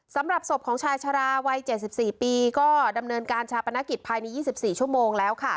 สำหรับศพของชายชะลาวัย๗๔ปีก็ดำเนินการชาปนกิจภายใน๒๔ชั่วโมงแล้วค่ะ